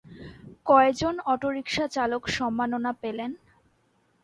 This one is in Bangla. কয়জন অটোরিকশা চালক সম্মাননা পেলেন?